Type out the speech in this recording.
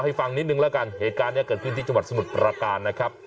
ฟังนิดนึงแล้วกันเหตุการณ์นี้เกิดขึ้นที่จังหวัดสมุทรประการนะครับ